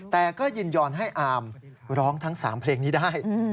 แต่ก็ยินยอมให้อามร้องทั้ง๓เพลงนี้ได้